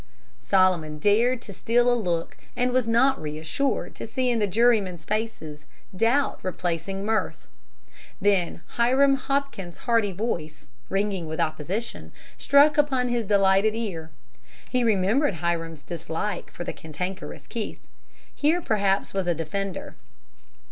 Solomon dared to steal a look, and was not reassured to see in the jurymen's faces doubt replacing mirth. Then Hiram Hopkins's hearty voice, ringing with opposition, struck upon his delighted ear. He remembered Hiram's dislike for the cantankerous Keith. Here perhaps was a defender.